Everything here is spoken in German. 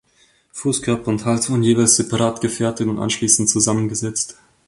Fuß, Körper und Hals wurden jeweils separat gefertigt und anschließend zusammengesetzt.